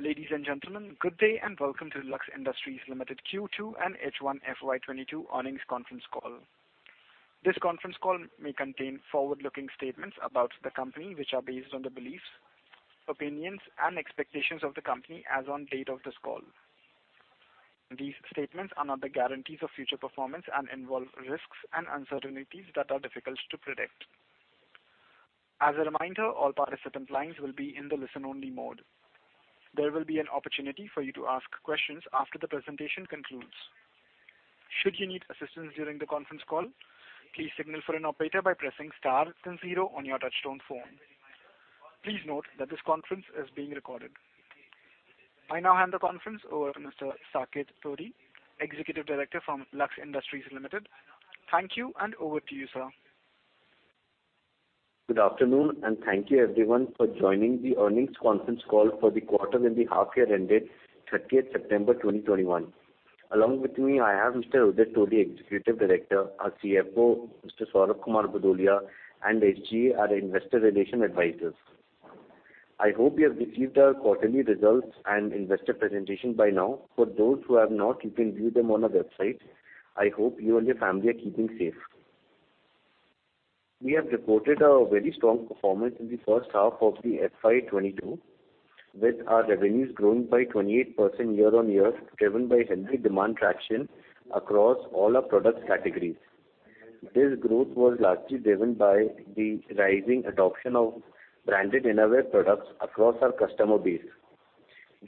Ladies and gentlemen, good day and welcome to Lux Industries Limited Q2 and H1 FY 2022 earnings conference call. This conference call may contain forward-looking statements about the company, which are based on the beliefs, opinions and expectations of the company as on date of this call. These statements are not the guarantees of future performance and involve risks and uncertainties that are difficult to predict. As a reminder, all participant lines will be in the listen-only mode. There will be an opportunity for you to ask questions after the presentation concludes. Should you need assistance during the conference call, please signal for an operator by pressing star then zero on your touchtone phone. Please note that this conference is being recorded. I now hand the conference over to Mr. Saket Todi, Executive Director from Lux Industries Limited. Thank you and over to you, sir. Good afternoon, and thank you everyone for joining the earnings conference call for the quarter and the half year ended 30 September 2021. Along with me, I have Mr. Udit Todi, Executive Director, our CFO, Mr. Saurabh Kumar Bhudolia, and SGA, our investor relations advisors. I hope you have received our quarterly results and investor presentation by now. For those who have not, you can view them on our website. I hope you and your family are keeping safe. We have reported a very strong performance in the first half of FY 2022, with our revenues growing by 28% year-on-year, driven by healthy demand traction across all our product categories. This growth was largely driven by the rising adoption of branded innerwear products across our customer base.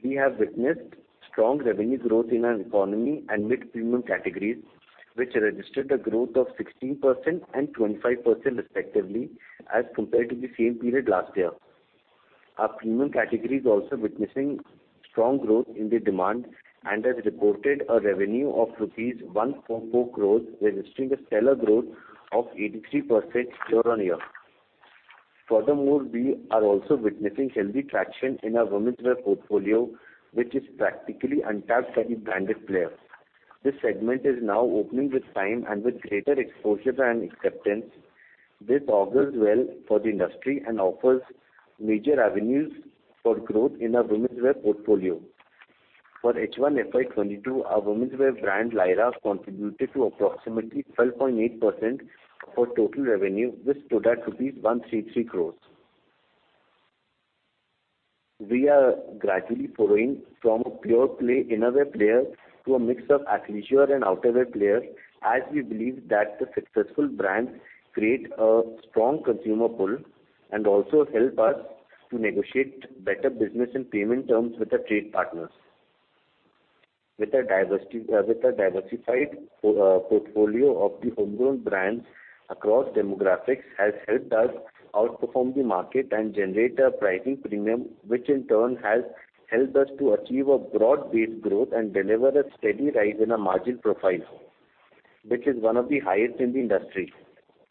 We have witnessed strong revenue growth in our economy and mid-premium categories, which registered a growth of 16% and 25% respectively as compared to the same period last year. Our premium category is also witnessing strong growth in the demand and has reported a revenue of rupees 1.4 crores, registering a stellar growth of 83% year-on-year. Furthermore, we are also witnessing healthy traction in our womenswear portfolio, which is practically untapped by the branded player. This segment is now opening with time and with greater exposure and acceptance. This augurs well for the industry and offers major avenues for growth in our womenswear portfolio. For H1 FY 2022, our womenswear brand Lyra contributed to approximately 12.8% of our total revenue, which stood at INR 133 crores. We are gradually growing from a pure play innerwear player to a mix of athleisure and outerwear player, as we believe that the successful brands create a strong consumer pull and also help us to negotiate better business and payment terms with our trade partners. With a diversified portfolio of the homegrown brands across demographics has helped us outperform the market and generate a pricing premium, which in turn has helped us to achieve a broad-based growth and deliver a steady rise in our margin profile, which is one of the highest in the industry.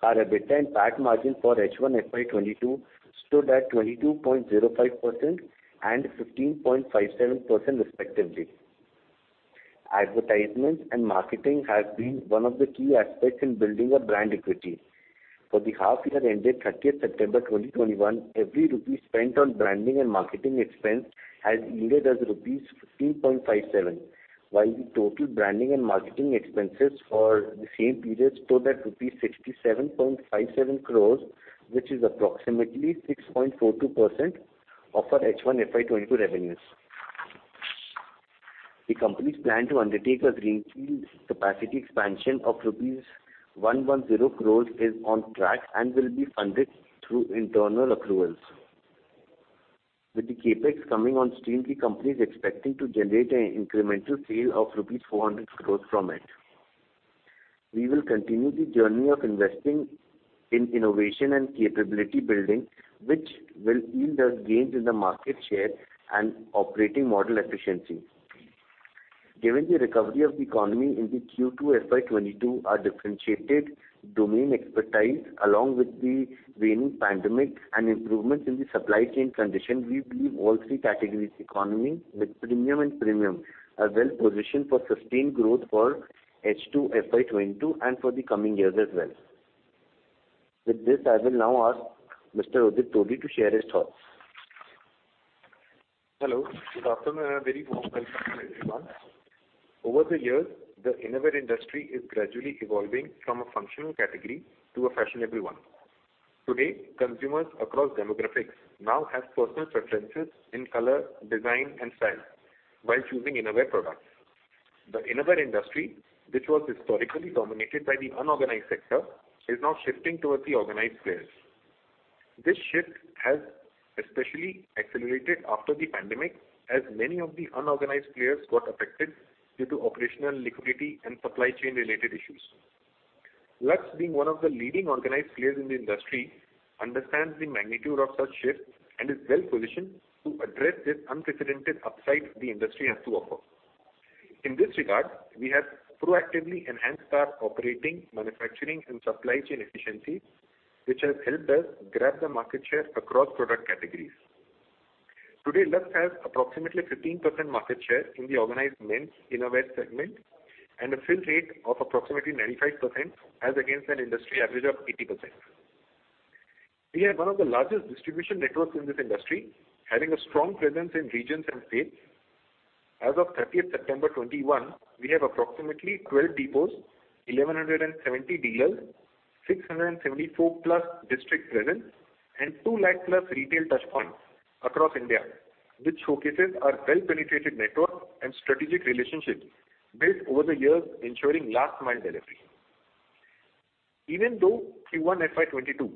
Our EBITDA and PAT margin for H1 FY 2022 stood at 22.05% and 15.57% respectively. Advertisements and marketing has been one of the key aspects in building our brand equity. For the half year ended 30 September 2021, every rupee spent on branding and marketing expense has yielded us rupees 15.57, while the total branding and marketing expenses for the same period stood at rupees 67.57 crore, which is approximately 6.42% of our H1 FY 2022 revenues. The company's plan to undertake a greenfield capacity expansion of rupees 110 crore is on track and will be funded through internal accruals. With the CapEx coming on stream, the company is expecting to generate an incremental sale of rupees 400 crore from it. We will continue the journey of investing in innovation and capability building, which will yield us gains in the market share and operating model efficiency. Given the recovery of the economy in the Q2 FY 2022, our differentiated domain expertise, along with the waning pandemic and improvements in the supply chain condition, we believe all three categories, economy, mid-premium and premium, are well positioned for sustained growth for H2 FY 2022 and for the coming years as well. With this, I will now ask Mr. Udit Todi to share his thoughts. Hello, good afternoon and a very warm welcome to everyone. Over the years, the innerwear industry is gradually evolving from a functional category to a fashionable one. Today, consumers across demographics now have personal preferences in color, design, and style while choosing innerwear products. The innerwear industry, which was historically dominated by the unorganized sector, is now shifting towards the organized players. This shift has especially accelerated after the pandemic, as many of the unorganized players got affected due to operational, liquidity, and supply chain related issues. Lux, being one of the leading organized players in the industry, understands the magnitude of such shifts and is well positioned to address this unprecedented upside the industry has to offer. In this regard, we have proactively enhanced our operating, manufacturing, and supply chain efficiencies, which has helped us grab the market share across product categories. Today, Lux has approximately 15% market share in the organized men's innerwear segment and a fill rate of approximately 95% as against an industry average of 80%. We have one of the largest distribution networks in this industry, having a strong presence in regions and states. As of 30th September 2021, we have approximately 12 depots, 1,170 dealers, 674+ district presence, and 200,000+ retail touch points across India, which showcases our well-penetrated network and strategic relationships built over the years ensuring last mile delivery. Even though Q1 FY 2022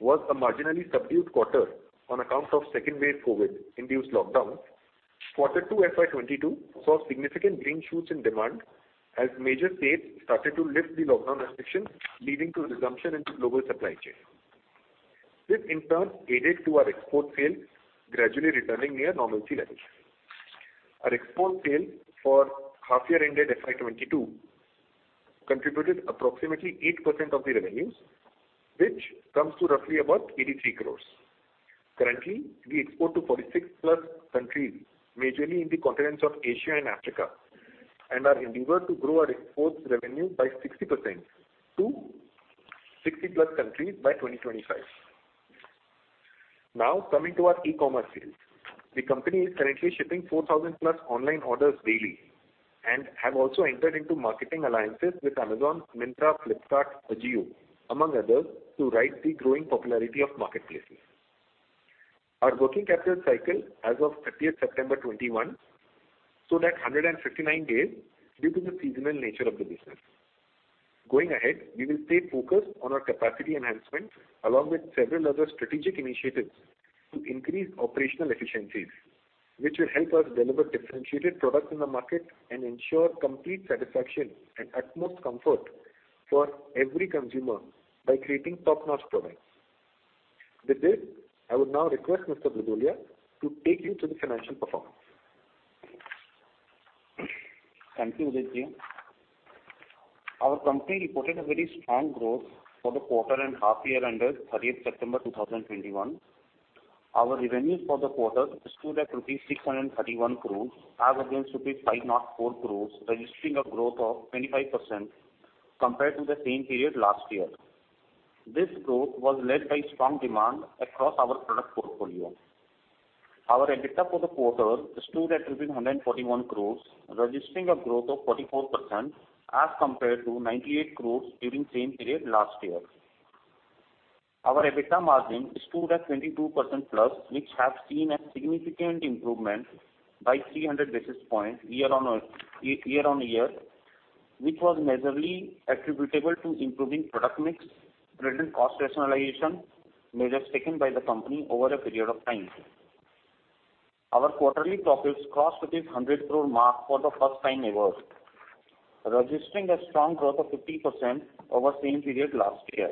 was a marginally subdued quarter on account of second wave COVID induced lockdown, quarter two FY 2022 saw significant green shoots in demand as major states started to lift the lockdown restrictions, leading to resumption into global supply chain. This in turn aided to our export sales gradually returning near normalcy levels. Our export sale for half year ended FY 2022 contributed approximately 8% of the revenues, which comes to roughly about 83 crores. Currently, we export to 46+ countries, majorly in the continents of Asia and Africa, and are endeavored to grow our export revenue by 60% to 60+ countries by 2025. Now, coming to our e-commerce sales. The company is currently shipping 4,000+ online orders daily and have also entered into marketing alliances with Amazon, Myntra, Flipkart, Ajio, among others, to ride the growing popularity of marketplaces. Our working capital cycle as of thirtieth September 2021 stood at 159 days due to the seasonal nature of the business. Going ahead, we will stay focused on our capacity enhancement along with several other strategic initiatives to increase operational efficiencies, which will help us deliver differentiated products in the market and ensure complete satisfaction and utmost comfort for every consumer by creating top-notch products. With this, I would now request Mr. Pradip Kumar Todi to take you through the financial performance. Thank you, Udit Todi. Our company reported a very strong growth for the quarter and half year ended 30 September 2021. Our revenues for the quarter stood at rupees 631 crores as against rupees 504 crores, registering a growth of 25% compared to the same period last year. This growth was led by strong demand across our product portfolio. Our EBITDA for the quarter stood at 141 crores, registering a growth of 44% as compared to 98 crores during same period last year. Our EBITDA margin stood at 22%+, which has seen a significant improvement by 300 basis points year-on-year, which was majorly attributable to improving product mix, prudent cost rationalization measures taken by the company over a period of time. Our quarterly profits crossed the 100 crore mark for the first time ever, registering a strong growth of 50% over same period last year.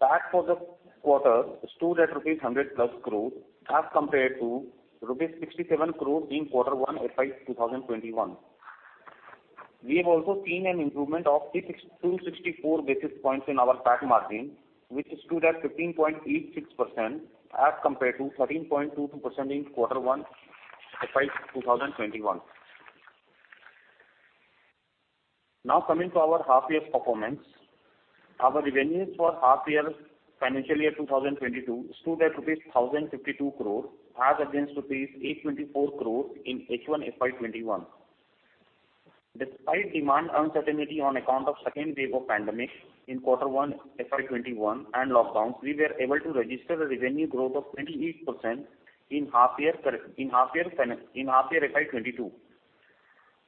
PAT for the quarter stood at rupees 100+ crore as compared to rupees 67 crore in Q1 FY 2021. We have also seen an improvement of 264 basis points in our PAT margin, which stood at 15.86% as compared to 13.22% in Q1 FY 2021. Now coming to our half year's performance. Our revenues for H1 FY 2022 stood at rupees 1,052 crore as against rupees 824 crore in H1 FY 2021. Despite demand uncertainty on account of second wave of pandemic in quarter one FY 2021 and lockdowns, we were able to register a revenue growth of 28% in half year FY 2022.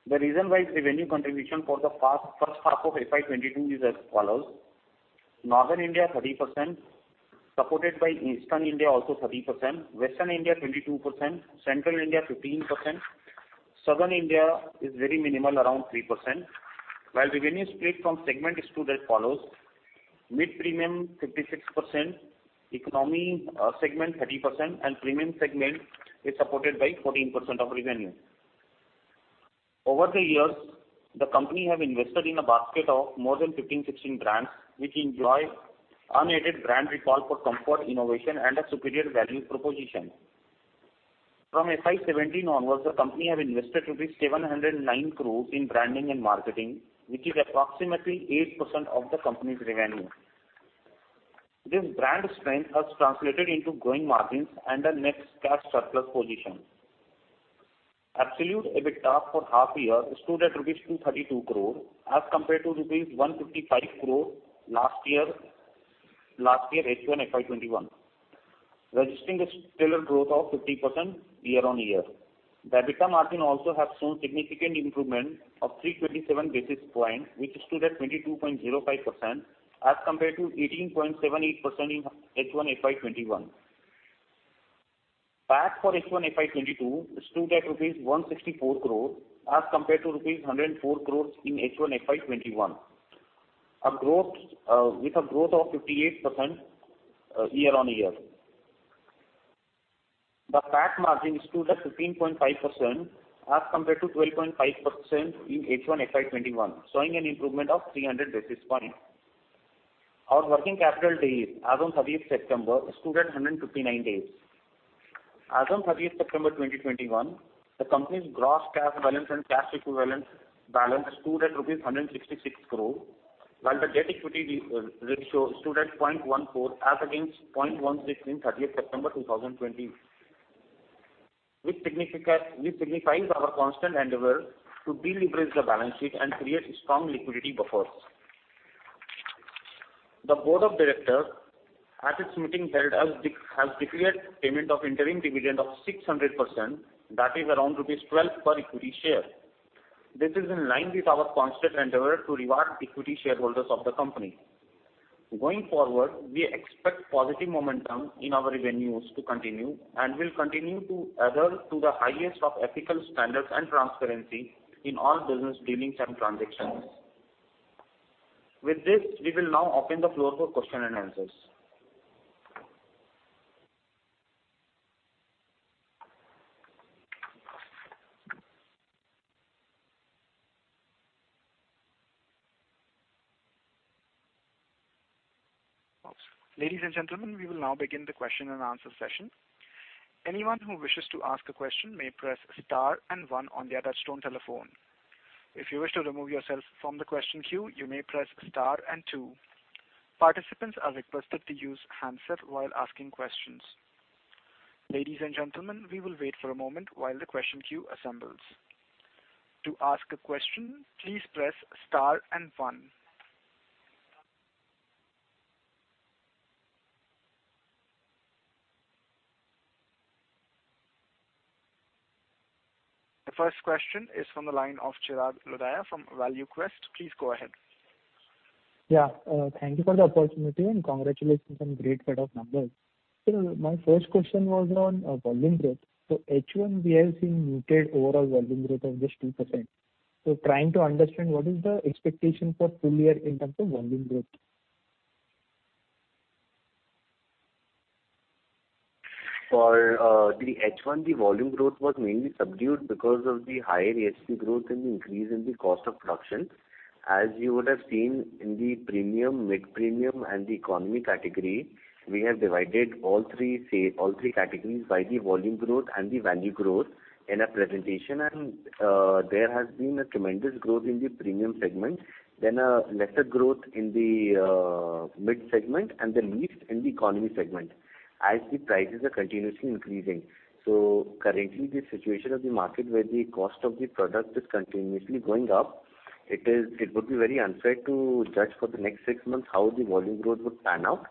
The region-wise revenue contribution for the past first half of FY 2022 is as follows. Northern India, 30%, supported by Eastern India, also 30%, Western India, 22%, Central India, 15%. Southern India is very minimal, around 3%. While revenue split from segment is stood as follows: mid-premium, 56%, economy segment, 30%, and premium segment is supported by 14% of revenue. Over the years, the company have invested in a basket of more than 15, 16 brands which enjoy unaided brand recall for comfort, innovation, and a superior value proposition. From FY 2017 onwards, the company have invested rupees 709 crore in branding and marketing, which is approximately 8% of the company's revenue. This brand strength has translated into growing margins and a net cash surplus position. Absolute EBITDA for half year stood at rupees 232 crore as compared to rupees 155 crore last year H1 FY 2021, registering a stellar growth of 50% year-on-year. The EBITDA margin also has shown significant improvement of 327 basis points, which stood at 22.05% as compared to 18.78% in H1 FY 2021. PAT for H1 FY 2022 stood at rupees 164 crore as compared to rupees 104 crore in H1 FY 2021, a growth of 58% year-on-year. The PAT margin stood at 15.5% as compared to 12.5% in H1 FY 2021, showing an improvement of 300 basis points. Our working capital days as on 30th September stood at 159 days. As on 30th September 2021, the company's gross cash balance and cash equivalents balance stood at INR 166 crore, while the debt-equity ratio stood at 0.14 as against 0.16 in 30th September 2020. This signifies our constant endeavor to deleverage the balance sheet and create strong liquidity buffers. The Board of Directors at its meeting held has declared payment of interim dividend of 600%, that is around rupees 12 per equity share. This is in line with our constant endeavor to reward equity shareholders of the company. Going forward, we expect positive momentum in our revenues to continue, and we'll continue to adhere to the highest of ethical standards and transparency in all business dealings and transactions. With this, we will now open the floor for question and answers. Ladies and gentlemen, we will now begin the question and answer session. Anyone who wishes to ask a question may press star and one on their touch-tone telephone. If you wish to remove yourself from the question queue, you may press star and two. Participants are requested to use handset while asking questions. Ladies and gentlemen, we will wait for a moment while the question queue assembles. To ask a question, please press star and one. The first question is from the line of Chirag Lodha from ValueQuest. Please go ahead. Yeah, thank you for the opportunity, and congratulations on great set of numbers. My first question was on volume growth. H1, we have seen muted overall volume growth of just 2%. Trying to understand what is the expectation for full year in terms of volume growth? For the H1, the volume growth was mainly subdued because of the higher ASP growth and the increase in the cost of production. As you would have seen in the premium, mid-premium, and the economy category, we have divided all three categories by the volume growth and the value growth in our presentation. There has been a tremendous growth in the premium segment, then a lesser growth in the mid segment, and the least in the economy segment as the prices are continuously increasing. Currently, the situation of the market where the cost of the product is continuously going up. It would be very unfair to judge for the next six months how the volume growth would pan out.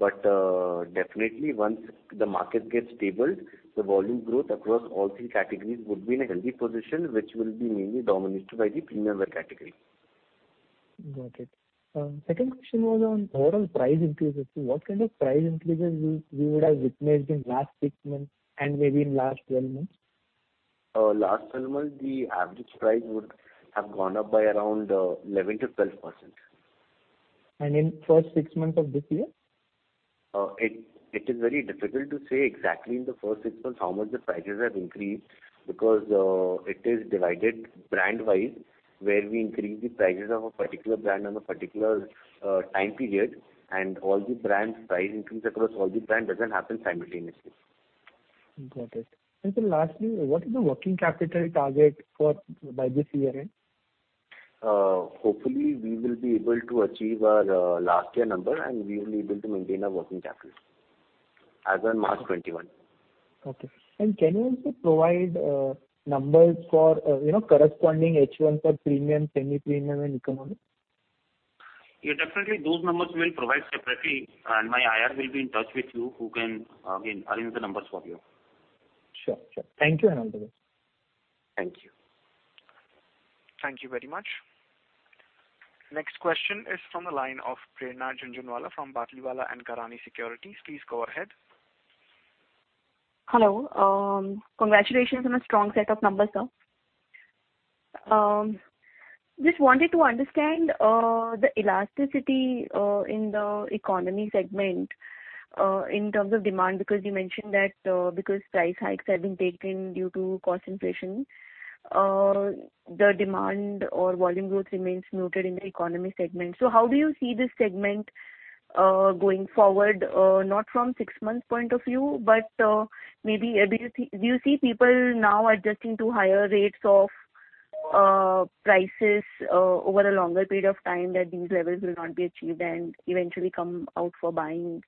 Definitely once the market gets stable, the volume growth across all three categories would be in a healthy position, which will be mainly dominated by the premium category. Got it. Second question was on overall price increases. What kind of price increases you would have witnessed in last six months and maybe in last 12 months? Last 12 months, the average price would have gone up by around 11%-12%. In first six months of this year? It is very difficult to say exactly in the first six months how much the prices have increased because it is divided brand-wise, where we increase the prices of a particular brand on a particular time period. All the brands' price increase across all the brands doesn't happen simultaneously. Got it. Sir, lastly, what is the working capital target for by this year end? Hopefully we will be able to achieve our last year number, and we will be able to maintain our working capital as on March 21. Okay. Can you also provide numbers for, you know, corresponding H1 for premium, semi-premium and economy? Yeah, definitely those numbers we'll provide separately, and my IR will be in touch with you, who can, again, arrange the numbers for you. Sure. Thank you, Saket Sir. Thank you. Thank you very much. Next question is from the line of Prerna Jhunjhunwala from Batlivala & Karani Securities. Please go ahead. Hello. Congratulations on a strong set of numbers, sir. Just wanted to understand the elasticity in the economy segment in terms of demand, because you mentioned that price hikes have been taken due to cost inflation, the demand or volume growth remains muted in the economy segment. How do you see this segment going forward? Not from six months point of view, but maybe do you see people now adjusting to higher rates of prices over a longer period of time that these levels will not be achieved and eventually come out for buying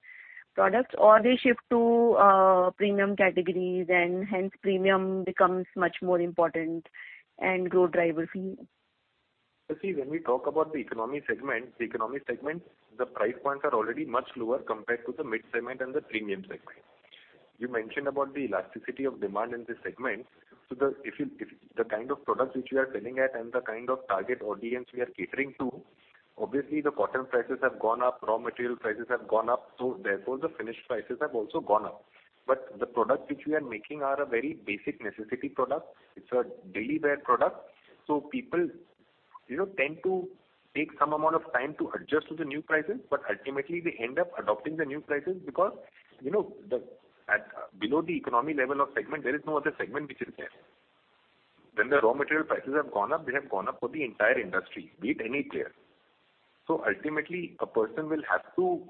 products? They shift to premium categories and hence premium becomes much more important and growth drivers for you? You see, when we talk about the economy segment, the price points are already much lower compared to the mid segment and the premium segment. You mentioned about the elasticity of demand in this segment. If the kind of products which we are selling at and the kind of target audience we are catering to, obviously the cotton prices have gone up, raw material prices have gone up, so therefore the finished prices have also gone up. The products which we are making are a very basic necessity product. It's a daily wear product. People, you know, tend to take some amount of time to adjust to the new prices, but ultimately they end up adopting the new prices because, you know, below the economy level of segment, there is no other segment which is there. When the raw material prices have gone up, they have gone up for the entire industry, be it any player. Ultimately, a person will have to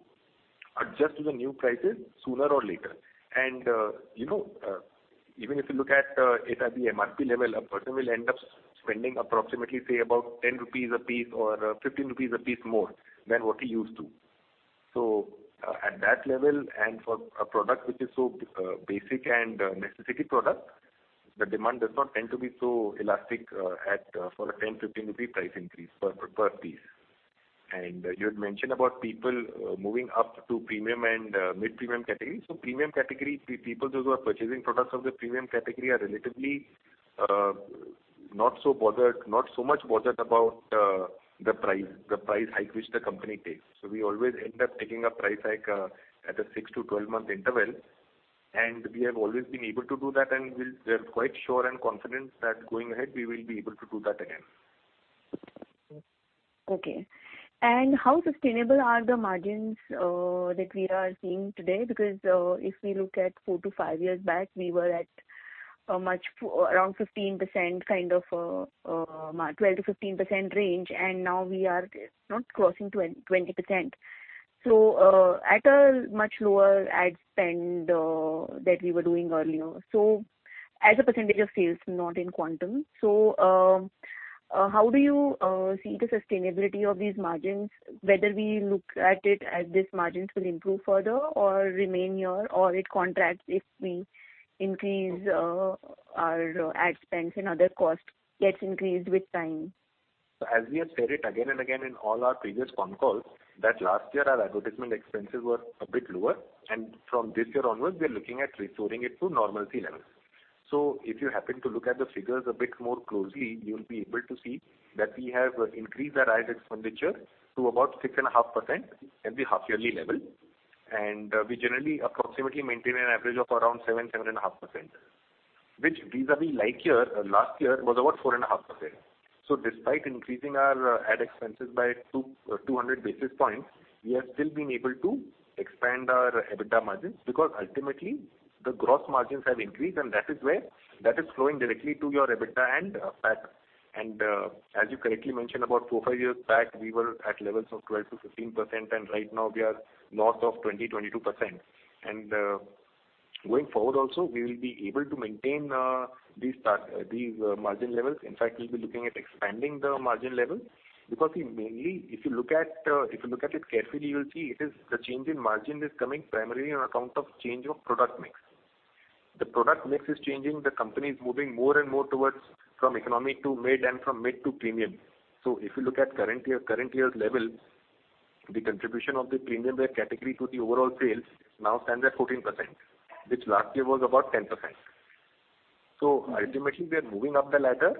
adjust to the new prices sooner or later. You know, even if you look at it at the MRP level, a person will end up spending approximately say about 10 rupees a piece or 15 rupees a piece more than what he used to. At that level, and for a product which is so basic and a necessity product, the demand does not tend to be so elastic at for a 10-15 rupee price increase per piece. You had mentioned about people moving up to premium and mid-premium categories. Premium category, people those who are purchasing products of the premium category are relatively not so much bothered about the price hike which the company takes. We always end up taking a price hike at a 6-12-month interval. We have always been able to do that, and we are quite sure and confident that going ahead, we will be able to do that again. Okay. How sustainable are the margins that we are seeing today? Because if we look at four-five years back, we were at a much around 15% kind of twelve to 15% range, and now we are not crossing 20%. At a much lower ad spend that we were doing earlier, so as a percentage of sales, not in quantum. How do you see the sustainability of these margins, whether we look at it as these margins will improve further or remain here or it contracts if we increase our ad spends and other costs gets increased with time? As we have said it again and again in all our previous con calls, that last year our advertisement expenses were a bit lower, and from this year onwards, we are looking at restoring it to normalcy levels. If you happen to look at the figures a bit more closely, you'll be able to see that we have increased our ad expenditure to about 6.5% at the half yearly level. We generally approximately maintain an average of around 7%-7.5%, which vis-à-vis last year was about 4.5%. Despite increasing our ad expenses by 200 basis points, we have still been able to expand our EBITDA margins because ultimately the gross margins have increased, and that is where that is flowing directly to your EBITDA and PAT. As you correctly mentioned about four-five years back, we were at levels of 12%-15%, and right now we are north of 22%. Going forward also we will be able to maintain these margin levels. In fact, we'll be looking at expanding the margin level because mainly, if you look at it carefully, you will see it is the change in margin is coming primarily on account of change of product mix. The product mix is changing. The company is moving more and more towards from economy to mid and from mid to premium. If you look at current year, current year's level, the contribution of the premium wear category to the overall sales now stands at 14%, which last year was about 10%. Ultimately, we are moving up the ladder.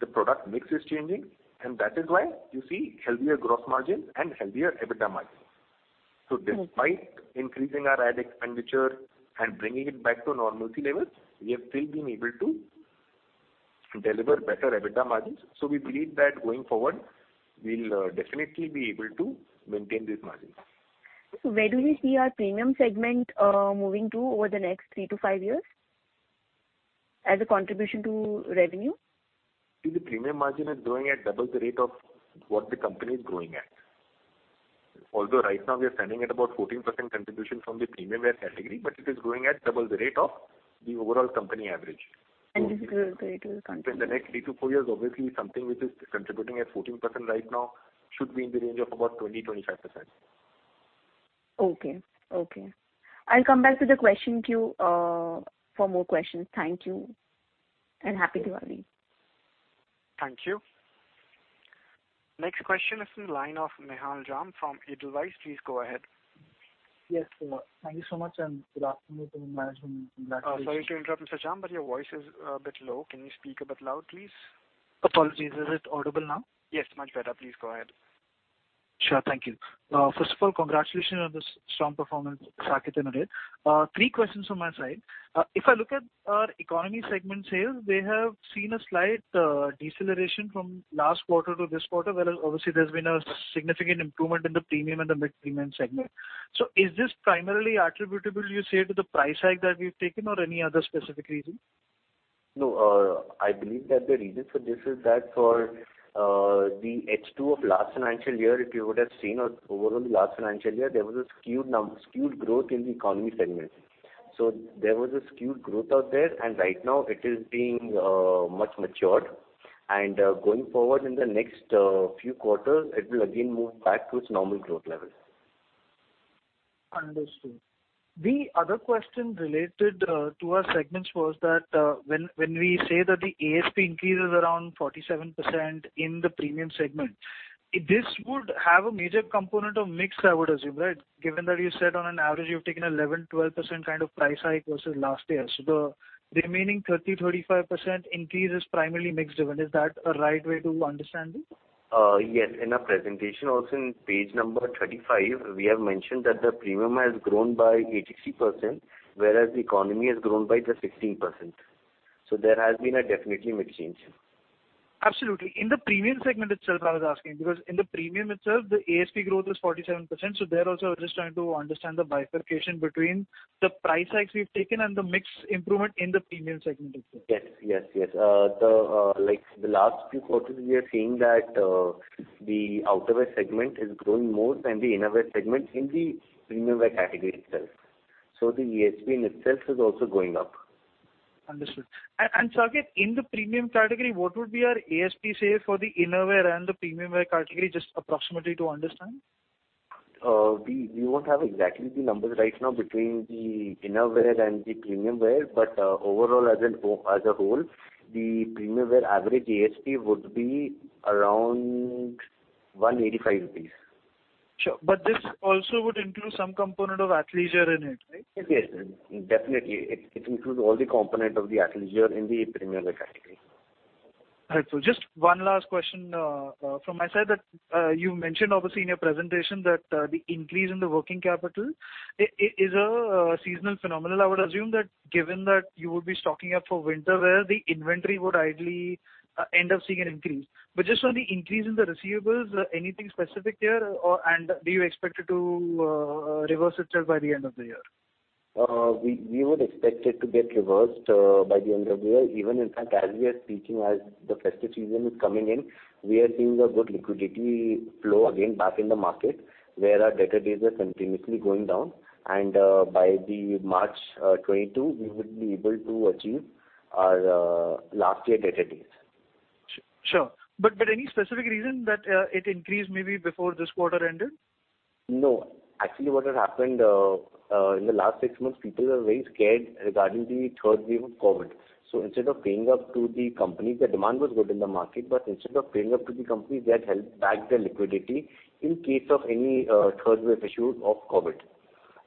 The product mix is changing, and that is why you see healthier gross margin and healthier EBITDA margin. Despite increasing our ad expenditure and bringing it back to normalcy levels, we have still been able to deliver better EBITDA margins. We believe that going forward, we'll definitely be able to maintain these margins. Where do we see our premium segment moving to over the next three to five years as a contribution to revenue? See the premium margin is growing at double the rate of what the company is growing at. Although right now we are standing at about 14% contribution from the premium wear category, but it is growing at double the rate of the overall company average. This growth rate will continue. In the next three to four years obviously something which is contributing at 14% right now should be in the range of about 20-25%. Okay. I'll come back to the question queue for more questions. Thank you and happy Diwali. Thank you. Next question is in line of Nihal Jham from Edelweiss. Please go ahead. Yes. Thank you so much, and good afternoon to management and congratulations. Sorry to interrupt, Mr. Jham, but your voice is a bit low. Can you speak a bit loud, please? Apologies. Is it audible now? Yes, much better. Please go ahead. Sure. Thank you. First of all, congratulations on the strong performance, Saket and Udit. Three questions from my side. If I look at economy segment sales, they have seen a slight deceleration from last quarter to this quarter, whereas obviously there's been a significant improvement in the premium and the mid-premium segment. Is this primarily attributable, you say, to the price hike that we've taken or any other specific reason? No. I believe that the reason for this is that for the H2 of last financial year, if you would have seen or overall the last financial year, there was a skewed growth in the economy segment. There was a skewed growth out there, and right now it is being much matured. Going forward in the next few quarters, it will again move back to its normal growth level. Understood. The other question related to our segments was that, when we say that the ASP increase is around 47% in the premium segment, this would have a major component of mix, I would assume, right? Given that you said on an average, you've taken 11-12% kind of price hike versus last year. The remaining 30-35% increase is primarily mix driven. Is that a right way to understand it? Yes. In our presentation also in page number 35, we have mentioned that the premium has grown by 86%, whereas the economy has grown by just 15%. There has been a definitely mix change here. Absolutely. In the premium segment itself, I was asking, because in the premium itself, the ASP growth is 47%, so there also I was just trying to understand the bifurcation between the price hikes you've taken and the mix improvement in the premium segment itself. Yes. Like, the last few quarters we are seeing that the outerwear segment is growing more than the innerwear segment in the premium wear category itself. The ASP in itself is also going up. Understood. Saket, in the premium category, what would be our ASP say for the innerwear and the premium wear category, just approximately to understand? We won't have exactly the numbers right now between the innerwear and the premium wear, but overall as a whole, the premium wear average ASP would be around 185 rupees. Sure. This also would include some component of athleisure in it, right? Yes. Definitely. It includes all the component of the athleisure in the premium wear category. Right. Just one last question from my side that you mentioned obviously in your presentation that the increase in the working capital is a seasonal phenomenon. I would assume that given that you would be stocking up for winter wear, the inventory would ideally end up seeing an increase. Just on the increase in the receivables, anything specific there or and do you expect it to reverse itself by the end of the year? We would expect it to get reversed by the end of the year. Even in fact, as we are speaking, as the festive season is coming in, we are seeing a good liquidity flow again back in the market, where our debtor days are continuously going down and by March 2022, we would be able to achieve our last year debtor days. Sure. Any specific reason that it increased maybe before this quarter ended? No. Actually, what had happened in the last six months, people were very scared regarding the third wave of COVID. Instead of paying up to the company, the demand was good in the market, but instead of paying up to the company, they had held back their liquidity in case of any third wave issue of COVID.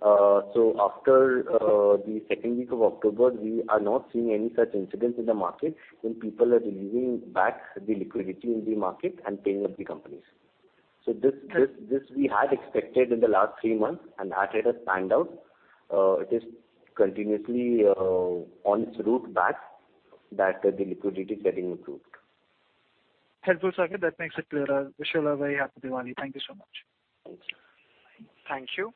After the second week of October, we are not seeing any such incidents in the market and people are releasing back the liquidity in the market and paying up the companies. This we had expected in the last three months and that has panned out. It is continuously on its route back that the liquidity is getting improved. Helpful, Saket. That makes it clearer. Wish you all a very happy Diwali. Thank you so much. Thank you. Thank you.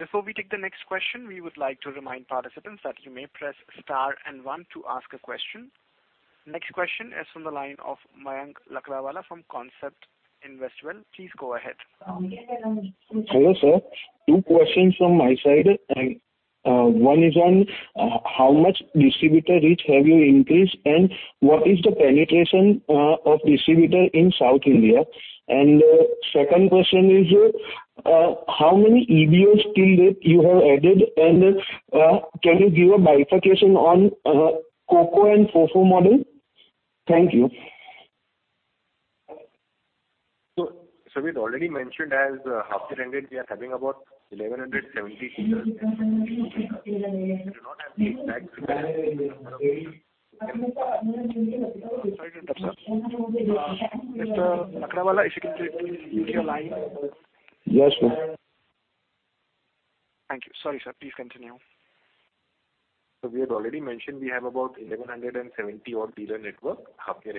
Before we take the next question, we would like to remind participants that you may press star and one to ask a question. Next question is from the line of Mayank Lakdawala from Concept Investwell. Please go ahead. Hello, sir. Two questions from my side. One is on how much distributor reach have you increased, and what is the penetration of distributor in South India? Second question is how many EBOs till date you have added, and can you give a bifurcation on CoCo and FoFo model? Thank you. We had already mentioned as half year ended, we are having about 1,170 dealers. We do not have the exact figure available. Sorry about that, sir. Mr. Lakdawala, if you can just please mute your line. Yes, sir. Thank you. Sorry, sir. Please continue. We had already mentioned we have about 1,170-odd dealer network half year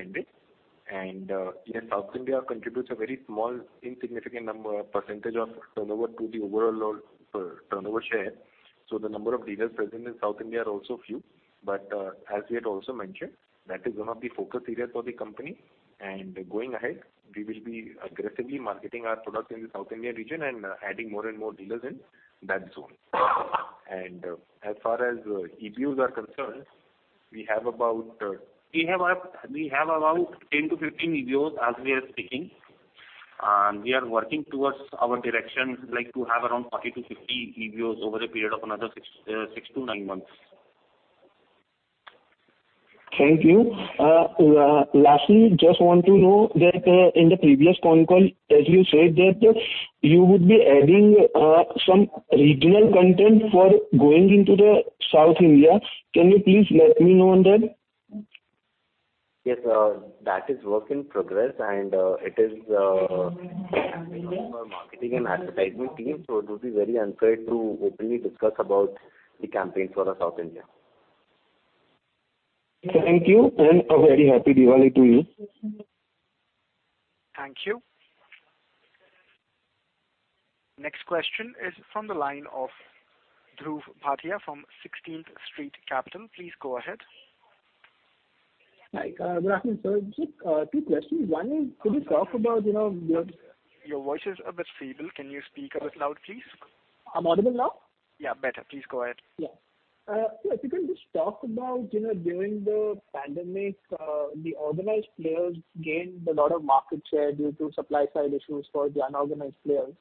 ending. Yes, South India contributes a very small insignificant number, percentage of turnover to the overall turnover share. The number of dealers present in South India are also few. As we had also mentioned, that is one of the focus areas for the company. Going ahead, we will be aggressively marketing our products in the South India region and adding more and more dealers in that zone. As far as EBOs are concerned, we have about 10-15 EBOs as we are speaking. We are working towards our direction, like to have around 30-50 EBOs over a period of another six-nine months. Thank you. Lastly, just want to know that, in the previous conf call, as you said that you would be adding some regional content for going into the South India. Can you please let me know on that? Yes, that is work in progress and, it is, handled by our marketing and advertisement team, so it would be very unfair to openly discuss about the campaign for the South India. Thank you, and a very happy Diwali to you. Thank you. Next question is from the line of Dhruv Bhatia from Sixteenth Street Capital. Please go ahead. Hi, good afternoon, sir. Just two questions. One is could you talk about, you know? Your voice is a bit feeble. Can you speak a bit loud, please? I'm audible now? Yeah, better. Please go ahead. Yeah. Yeah, if you can just talk about, you know, during the pandemic, the organized players gained a lot of market share due to supply side issues for the unorganized players.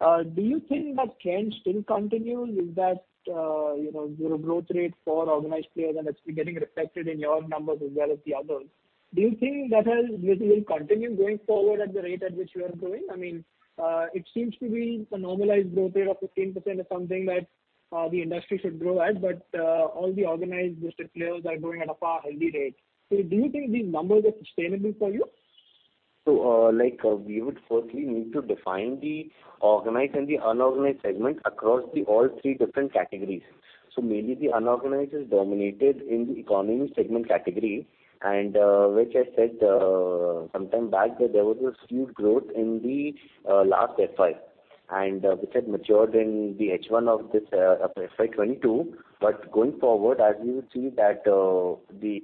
Do you think that trend still continues? Is that, you know, the growth rate for organized players and it's getting reflected in your numbers as well as the others. Do you think that has, this will continue going forward at the rate at which you are growing? I mean, it seems to be a normalized growth rate of 15% is something that the industry should grow at, but all the organized sector players are growing at a much healthier rate. Do you think these numbers are sustainable for you? Like, we would firstly need to define the organized and the unorganized segment across all three different categories. Mainly the unorganized is dominated in the economy segment category and which I said sometime back that there was a huge growth in the last FY and which had matured in the H1 of this FY 2022. Going forward, as you would see that the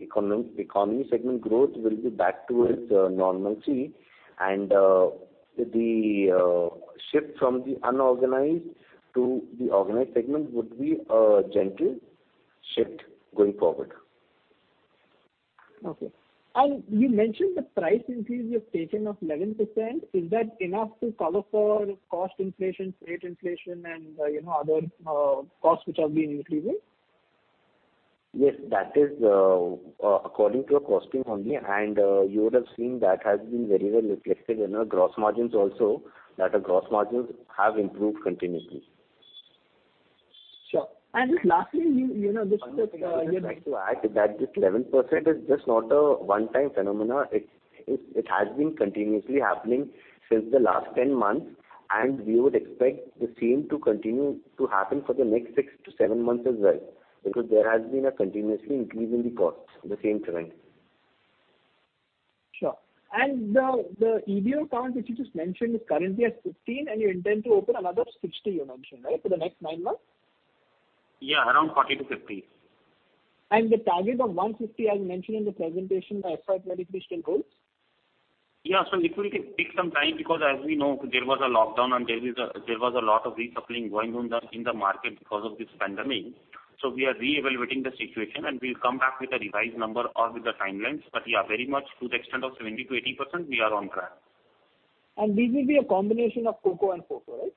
economy segment growth will be back towards normalcy and the shift from the unorganized to the organized segment would be a gentle shift going forward. Okay. You mentioned the price increase you have taken of 11%. Is that enough to cover for cost inflation, freight inflation and, you know, other costs which have been increasing? Yes, that is according to our costing only, and you would have seen that has been very well reflected in our gross margins also that our gross margins have improved continuously. Sure. Just lastly, you know, this is, you know. One thing I would like to add to that, this 11% is just not a one-time phenomenon. It has been continuously happening since the last 10 months, and we would expect the same to continue to happen for the next six-seven months as well. Because there has been a continuous increase in the costs, the same trend. Sure. The EBO count which you just mentioned is currently at 15 and you intend to open another 60, you mentioned, right, for the next nine months? Yeah, around 40-50. The target of 150 as mentioned in the presentation by FY 2023 still holds? Yeah. It will take some time because as we know there was a lockdown and there was a lot of decoupling going on in the market because of this pandemic. We are reevaluating the situation and we'll come back with a revised number or with the timelines. Yeah, very much to the extent of 70%-80% we are on track. This will be a combination of COCO and FOFO, right?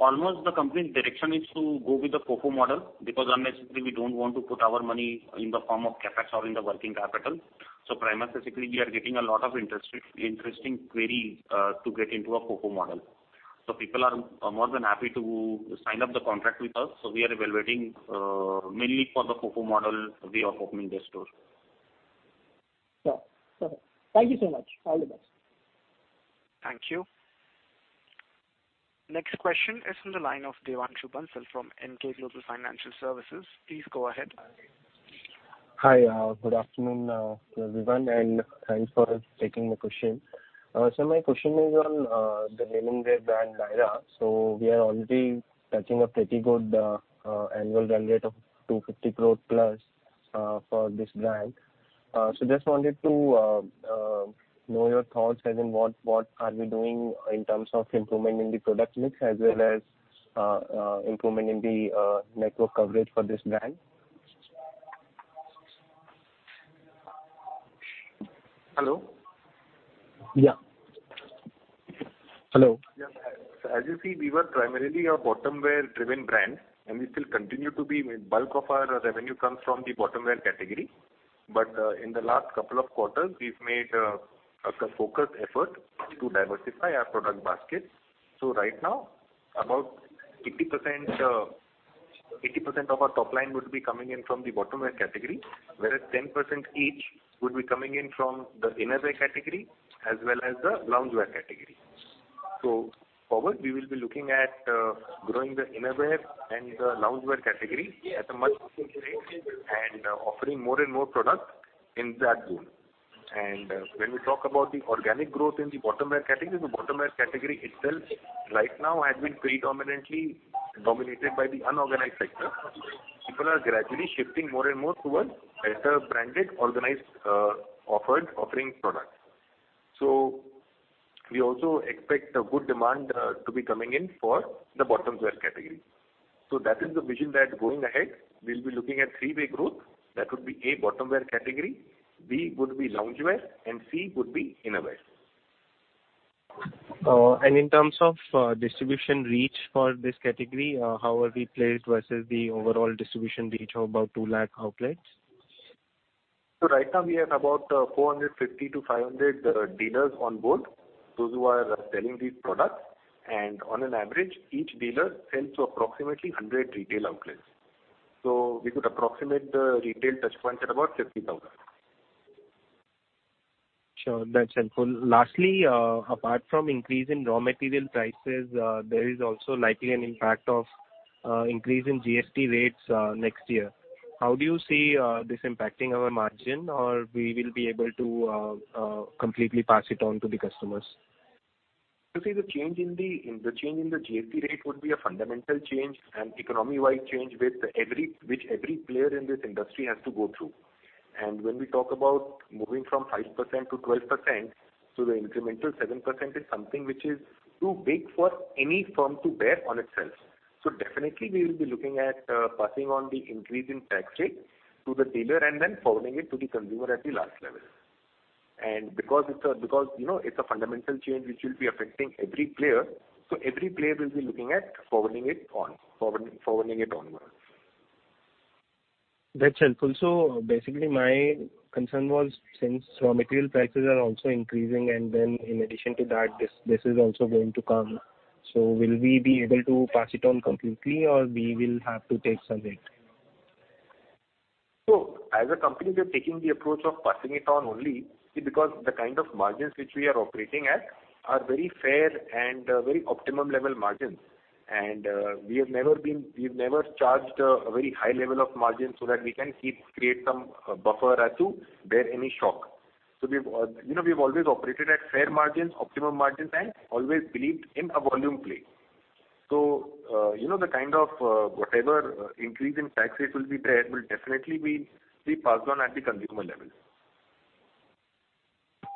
Almost the complete direction is to go with the FoFo model because unnecessarily we don't want to put our money in the form of CapEx or in the working capital. Primarily basically we are getting a lot of interesting queries to get into a FoFo model. People are more than happy to sign the contract with us. We are evaluating mainly for the FoFo model way of opening the store. Sure. Perfect. Thank you so much. All the best. Thank you. Next question is from the line of Devanshu Bansal from Emkay Global Financial Services. Please go ahead. Hi. Good afternoon to everyone, and thanks for taking the question. My question is on the women's wear brand Lyra. We are already touching a pretty good annual run rate of 250 crore plus for this brand. Just wanted to know your thoughts as in what we are doing in terms of improvement in the product mix as well as improvement in the network coverage for this brand? Hello? Yeah. Hello. As you see, we were primarily a bottom wear driven brand and we still continue to be. Bulk of our revenue comes from the bottom wear category. In the last couple of quarters we've made a focused effort to diversify our product basket. Right now, about 80% of our top line would be coming in from the bottom wear category, whereas 10% each would be coming in from the innerwear category as well as the loungewear category. Going forward we will be looking at growing the innerwear and the loungewear category at a much faster rate and offering more and more product in that zone. When we talk about the organic growth in the bottom wear category, the bottom wear category itself right now has been predominantly dominated by the unorganized sector. People are gradually shifting more and more towards better branded, organized, offering products. We also expect a good demand to be coming in for the bottom wear category. That is the vision that going ahead we'll be looking at three way growth. That would be, A, bottom wear category, B would be loungewear, and C would be innerwear. In terms of distribution reach for this category, how are we placed versus the overall distribution reach of about 2 lakh outlets? Right now we have about 450-500 dealers on board, those who are selling these products. On average, each dealer sells to approximately 100 retail outlets. We could approximate the retail touch point at about 50,000. Sure. That's helpful. Lastly, apart from increase in raw material prices, there is also likely an impact of increase in GST rates next year. How do you see this impacting our margin or we will be able to completely pass it on to the customers? You see the change in the GST rate would be a fundamental change and economy-wide change which every player in this industry has to go through. When we talk about moving from 5% to 12%, the incremental 7% is something which is too big for any firm to bear on itself. We will be looking at definitely passing on the increase in tax rate to the dealer and then forwarding it to the consumer at the last level. Because you know, it's a fundamental change which will be affecting every player, every player will be looking at forwarding it onwards. That's helpful. Basically my concern was since raw material prices are also increasing and then in addition to that this is also going to come, so will we be able to pass it on completely or we will have to take some hit? As a company, we are taking the approach of passing it on only because the kind of margins which we are operating at are very fair and very optimum level margins. We've never charged a very high level of margin so that we can create some buffer to bear any shock. We've, you know, we've always operated at fair margins, optimum margins, and always believed in a volume play. You know, the kind of whatever increase in tax rate will be there, it will definitely be passed on at the consumer level.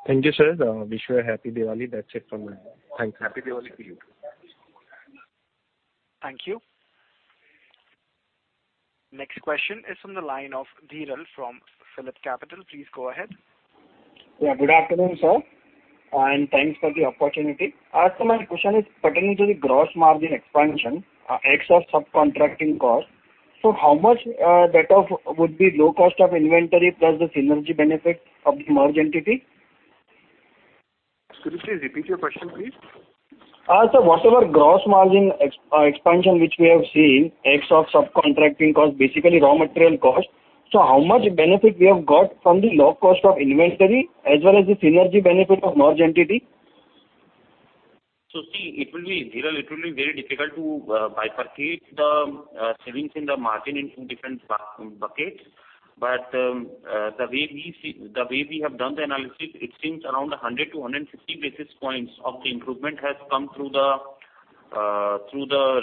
Thank you, sir. Wish you a happy Diwali. That's it from my end. Thanks. Happy Diwali to you. Thank you. Next question is from the line of Dhiral Shah from PhillipCapital. Please go ahead. Yeah, good afternoon, sir, and thanks for the opportunity. My question is pertaining to the gross margin expansion ex of subcontracting costs. How much of that would be low cost of inventory plus the synergy benefit of the merged entity? Could you please repeat your question, please? Whatever gross margin expansion which we have seen, ex of subcontracting costs, basically raw material costs. How much benefit we have got from the low cost of inventory as well as the synergy benefit of merged entity? Dhiral, it will be very difficult to bifurcate the savings in the margin in two different buckets. The way we have done the analysis, it seems around 100-150 basis points of the improvement has come through the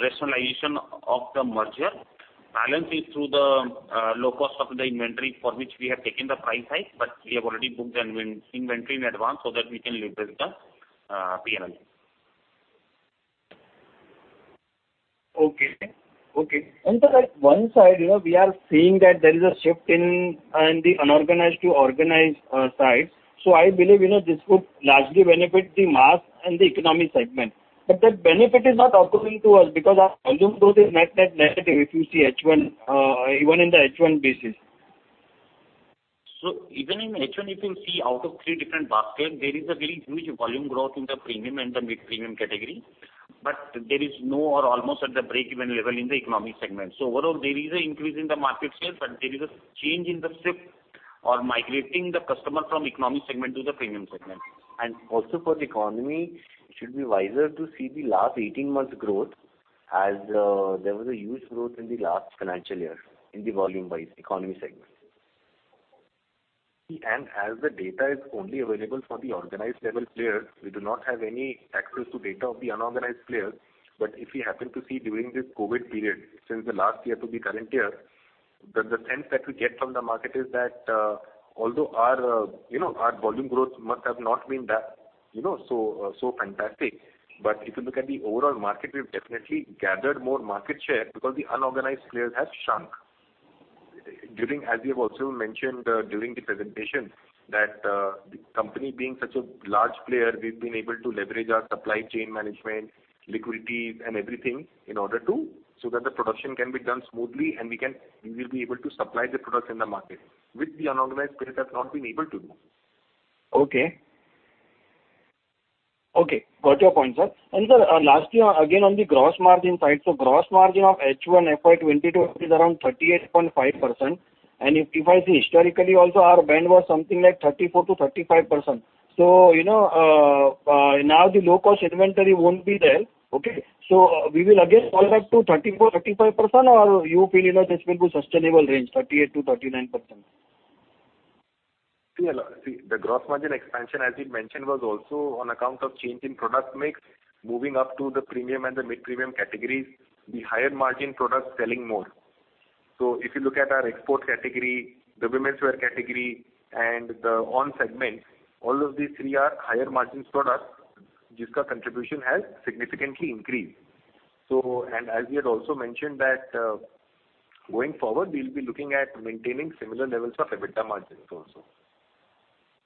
rationalization of the merger. The balance is through the low cost of the inventory for which we have taken the price hike, but we have already booked the inventory in advance so that we can leverage the P&L. Sir, on one side, you know, we are seeing that there is a shift in the unorganized to organized sides. I believe, you know, this would largely benefit the mass and the economy segment. That benefit is not occurring to us because our volume growth is net-net negative, if you see H1, even in the H1 basis. Even in H1, if you see out of three different baskets, there is a very huge volume growth in the premium and the mid-premium category. There is no or almost at the break-even level in the economy segment. Overall, there is a increase in the market share, but there is a change in the shift or migrating the customer from economy segment to the premium segment. Also for the economy, it should be wiser to see the last 18 months growth as, there was a huge growth in the last financial year in the volume-wise economy segment. As the data is only available for the organized level players, we do not have any access to data of the unorganized players. If we happen to see during this COVID period, since the last year to the current year, the sense that we get from the market is that, although our, you know, our volume growth must have not been that, you know, so fantastic. If you look at the overall market, we've definitely gathered more market share because the unorganized players have shrunk. As we have also mentioned during the presentation, that the company being such a large player, we've been able to leverage our supply chain management, liquidity and everything in order to, so that the production can be done smoothly and we will be able to supply the products in the market, which the unorganized players have not been able to do. Okay. Got your point, sir. Sir, lastly, again, on the gross margin side. Gross margin of H1 FY 2022 is around 38.5%. If I see historically also our band was something like 34%-35%. You know, now the low cost inventory won't be there. Okay? We will again fall back to 34%-35%, or you feel, you know, this will be sustainable range, 38%-39%? See, the gross margin expansion, as we mentioned, was also on account of change in product mix, moving up to the premium and the mid-premium categories, the higher margin products selling more. If you look at our export category, the womenswear category and the own segment, all of these three are higher margin products, whose contribution has significantly increased. As we had also mentioned that, going forward, we'll be looking at maintaining similar levels of EBITDA margins also.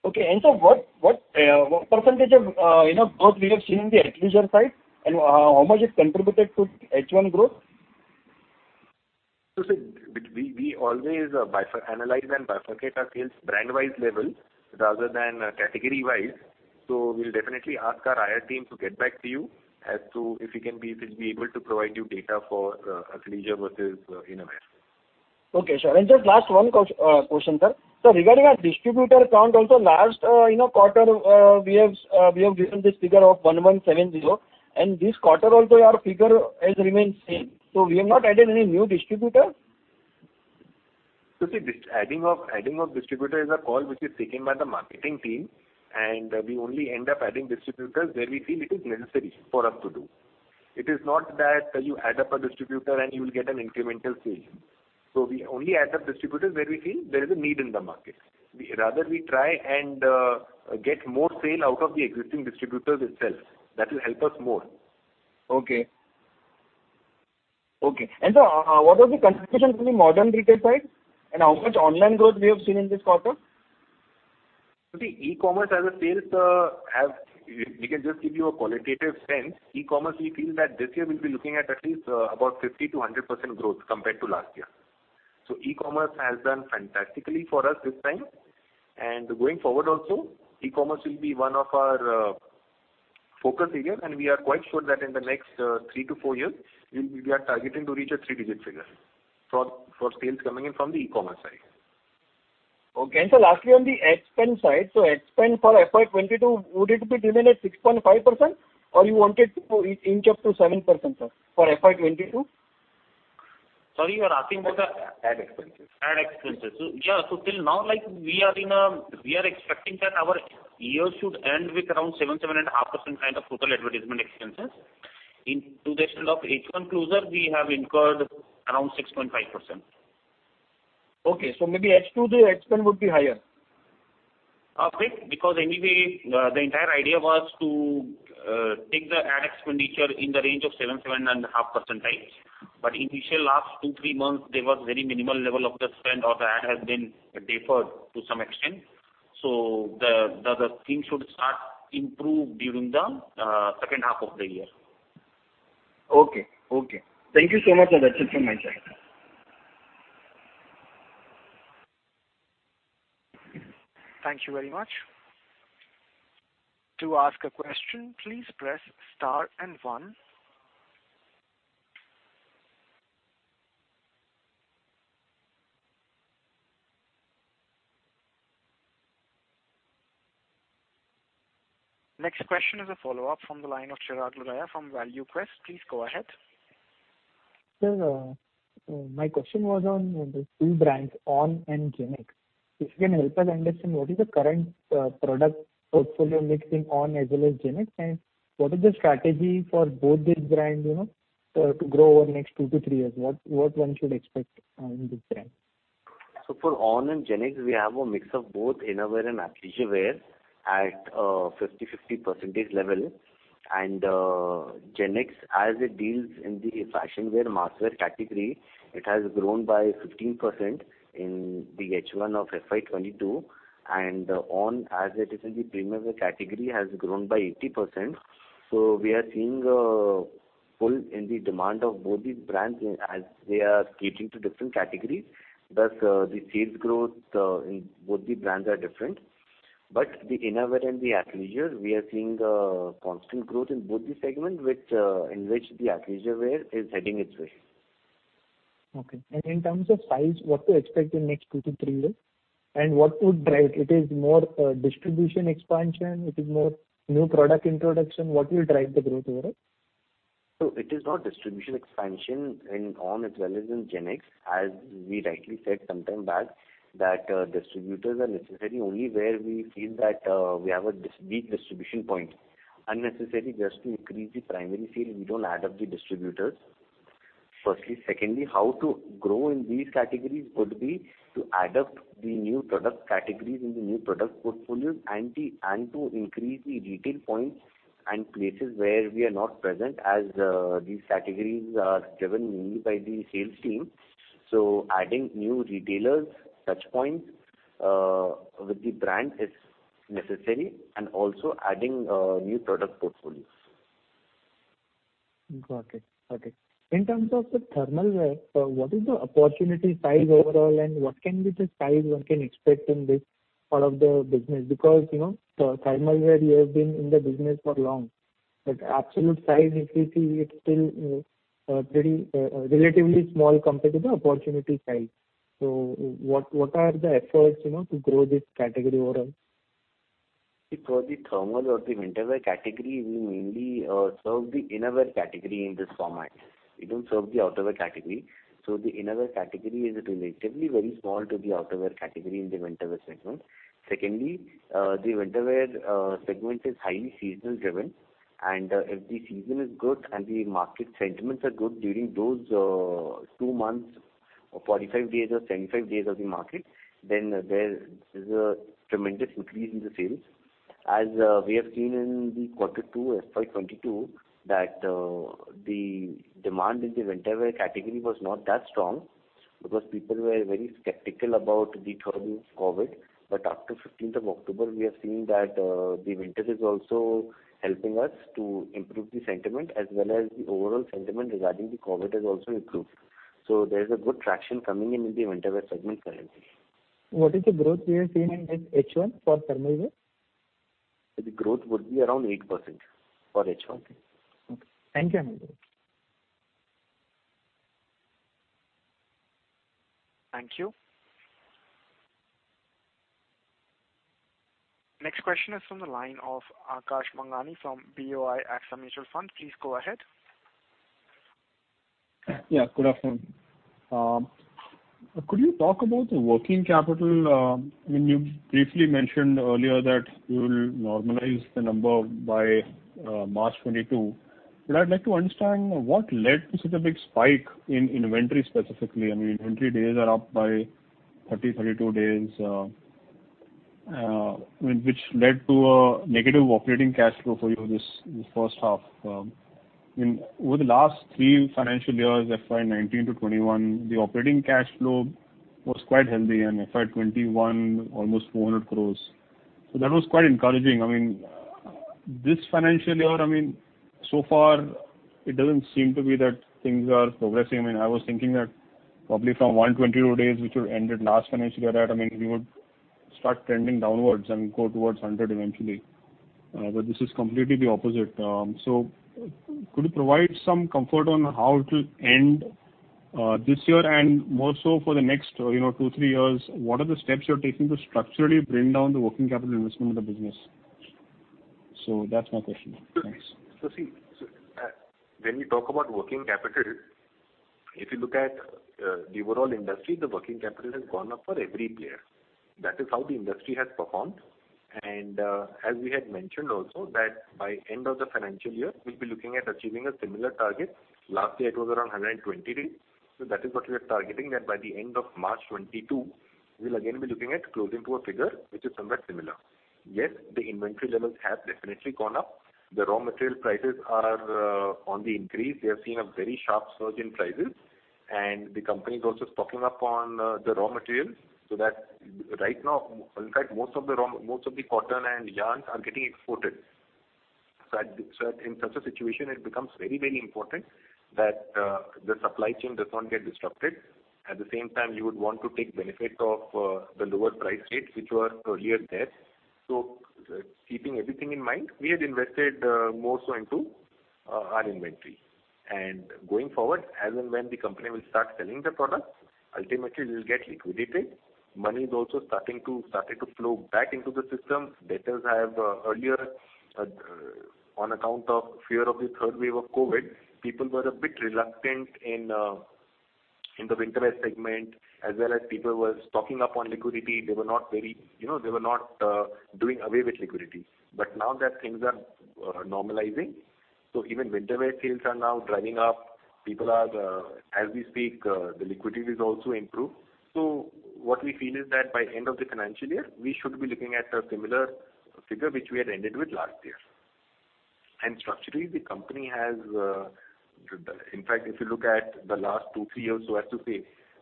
Okay. What percentage of, you know, growth we have seen in the athleisure side and how much it contributed to H1 growth? See, we always analyze and bifurcate our sales brand-wise level rather than category-wise. We'll definitely ask our IR team to get back to you as to if we can be able to provide you data for athleisure versus innerwear. Okay, sure. Just last one question, sir. Regarding our distributor count also, last quarter, we have given this figure of 1,170, and this quarter also our figure has remained same. We have not added any new distributor? You see, adding of distributor is a call which is taken by the marketing team, and we only end up adding distributors where we feel it is necessary for us to do. It is not that you add up a distributor and you will get an incremental sale. We only add up distributors where we feel there is a need in the market. Rather we try and get more sale out of the existing distributors itself. That will help us more. Okay. Sir, what are the contributions from the modern retail side, and how much online growth we have seen in this quarter? We can just give you a qualitative sense. E-commerce, we feel that this year we'll be looking at least about 50%-100% growth compared to last year. E-commerce has done fantastically for us this time. Going forward also, e-commerce will be one of our, Focus area. We are quite sure that in the next three to four years, we are targeting to reach a three-digit figure for sales coming in from the e-commerce side. Okay. Sir, lastly, on the ad spend side. Ad spend for FY 2022, would it be driven at 6.5% or you wanted to inch up to 7%, sir, for FY 2022? Sorry, you are asking about the. Ad expenses. Ad expenses. Till now, like, we are expecting that our year should end with around 7-7.5% kind of total advertisement expenses. In addition to H1 closure, we have incurred around 6.5%. Okay, maybe H2, the ad spend would be higher. Because anyway, the entire idea was to take the ad expenditure in the range of 7-7.5% range. Initial last two to three months, there was very minimal level of the spend or the ad has been deferred to some extent. The thing should start improve during the second half of the year. Okay. Thank you so much, that's it from my side. Next question is a follow-up from the line of Chirag Lodha from ValueQuest Investment Advisors. Please go ahead. Sir, my question was on the two brands, ONN and GenX. If you can help us understand what is the current product portfolio mix in ONN as well as GenX. What is the strategy for both these brands, you know, to grow over the next two to three years? What one should expect in this brand? For ONN and GenX, we have a mix of both innerwear and athleisure wear at 50-50 percentage level. GenX, as it deals in the fashion wear, mass wear category, it has grown by 15% in the H1 of FY 2022. ONN, as it is in the premium wear category, has grown by 80%. We are seeing a pull in the demand of both these brands as they are catering to different categories. Thus, the sales growth in both the brands are different. The innerwear and the athleisure, we are seeing a constant growth in both the segment, in which the athleisure wear is heading its way. Okay. In terms of size, what to expect in next two to three years? What would drive it? It is more, distribution expansion, it is more new product introduction, what will drive the growth overall? It is not distribution expansion in ONN as well as in GenX. As we rightly said some time back, that distributors are necessary only where we feel that we have a weak distribution point. Unnecessary, just to increase the primary sales, we don't add up the distributors. Firstly. Secondly, how to grow in these categories could be to adopt the new product categories in the new product portfolios and to increase the retail points and places where we are not present as these categories are driven mainly by the sales team. Adding new retailers, touch points with the brand is necessary, and also adding new product portfolios. Got it. In terms of the thermal wear, what is the opportunity size overall and what can be the size one can expect in this part of the business? Because, you know, the thermal wear you have been in the business for long. Absolute size, if we see, it's still, very, relatively small compared to the opportunity size. What are the efforts, you know, to grow this category overall? For the thermal or the winter wear category, we mainly serve the innerwear category in this format. We don't serve the outerwear category. The innerwear category is relatively very small to the outerwear category in the winter wear segment. Second, the winterwear segment is highly seasonally driven. If the season is good and the market sentiments are good during those two months or 45 days or 75 days of the market, then there is a tremendous increase in the sales. As we have seen in Q2, FY 2022, the demand in the winter wear category was not that strong because people were very skeptical about the third wave of COVID. After fifteenth of October, we have seen that the winters is also helping us to improve the sentiment as well as the overall sentiment regarding the COVID has also improved. There is a good traction coming in the winter wear segment currently. What is the growth we have seen in this H1 for thermal wear? The growth would be around 8% for H1. Okay. Thank you. Thank you. Next question is from the line of Aakash Manghani from BOI AXA Mutual Fund. Please go ahead. Yeah, good afternoon. Could you talk about the working capital? I mean, you briefly mentioned earlier that you will normalize the number by March 2022. I'd like to understand what led to such a big spike in inventory specifically. I mean, inventory days are up by 32 days, which led to a negative operating cash flow for you this first half. I mean, over the last three financial years, FY 2019 to 2021, the operating cash flow was quite healthy, and FY 2021 almost 400 crore. That was quite encouraging. I mean, this financial year, I mean, so far it doesn't seem to be that things are progressing. I mean, I was thinking that probably from 122 days, which you ended last financial year at, I mean, we would start trending downwards and go towards 100 eventually. This is completely the opposite. Could you provide some comfort on how it'll end this year and more so for the next, you know, two, three years? What are the steps you're taking to structurally bring down the working capital investment of the business? That's my question. Thanks. When you talk about working capital, if you look at the overall industry, the working capital has gone up for every player. That is how the industry has performed. As we had mentioned also that by end of the financial year, we'll be looking at achieving a similar target. Last year it was around 120 days. That is what we are targeting that by the end of March 2022, we'll again be looking at closing to a figure which is somewhat similar. Yes, the inventory levels have definitely gone up. The raw material prices are on the increase. We have seen a very sharp surge in prices, and the company is also stocking up on the raw materials so that right now, in fact, most of the cotton and yarns are getting exported. In such a situation, it becomes very, very important that the supply chain does not get disrupted. At the same time, you would want to take benefit of the lower price rates which were earlier there. Keeping everything in mind, we had invested more so into our inventory. Going forward, as and when the company will start selling the product, ultimately we'll get liquidated. Money is also starting to flow back into the system. Debtors have earlier on account of fear of the third wave of COVID, people were a bit reluctant in the winter wear segment as well as people were stocking up on liquidity. They were not very, you know, they were not doing away with liquidity. Now that things are normalizing, so even winter wear sales are now driving up. People are, as we speak, the liquidity has also improved. What we feel is that by end of the financial year, we should be looking at a similar figure which we had ended with last year. Structurally, the company has the. In fact, if you look at the last two to three years so as to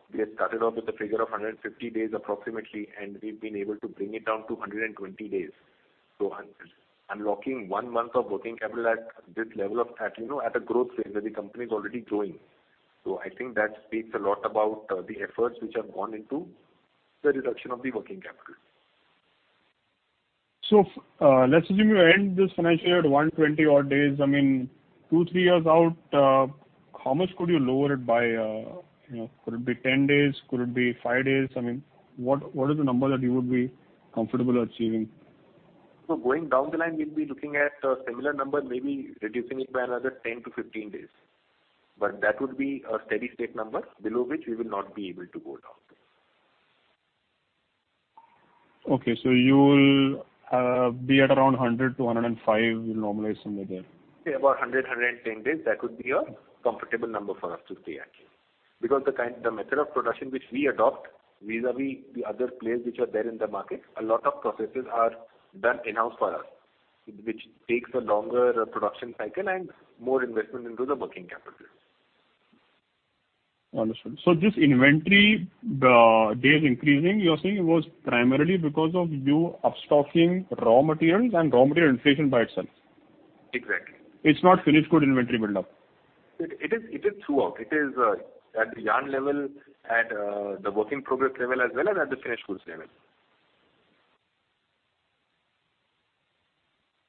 say, we had started off with a figure of 150 days approximately, and we've been able to bring it down to 120 days to 100. Unlocking one month of working capital at this level of, you know, at a growth phase that the company is already growing. I think that speaks a lot about the efforts which have gone into the reduction of the working capital. Let's assume you end this financial year at 120-odd days. I mean, two to three years out, how much could you lower it by, you know? Could it be 10 days? Could it be five days? I mean, what is the number that you would be comfortable achieving? Going down the line, we'll be looking at a similar number, maybe reducing it by another 10-15 days. That would be a steady state number below which we will not be able to go down. Okay. You'll be at around 100-105, you'll normalize somewhere there. Say about 110 days, that would be a comfortable number for us to stay at because the method of production which we adopt vis-à-vis the other players which are there in the market. A lot of processes are done in-house for us, which takes a longer production cycle and more investment into the working capital. Understood. This inventory days increasing, you're saying it was primarily because of your upstocking raw materials and raw material inflation by itself. Exactly. It's not finished goods inventory buildup. It is throughout. It is at the yarn level, the work in progress level, as well as at the finished goods level.